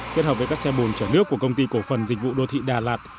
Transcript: kết hợp với các xe bồn chở nước của công ty cổ phần dịch vụ đô thị đà lạt